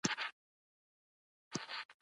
لومړی څپرکی په ټېکنالوجي او سیسټم باندې تمرکز کوي.